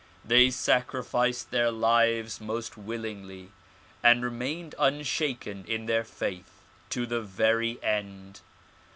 They sacrificed their lives most willingly and remained unshaken in their faith to the very end.